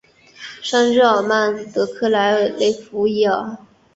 圣日尔曼德克莱雷弗伊尔。